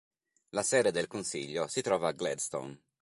La sede del consiglio si trova a Gladstone.